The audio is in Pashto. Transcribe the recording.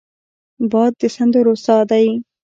باد د سندرو سا دی